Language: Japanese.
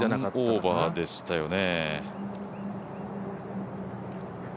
１オーバーでしたよね。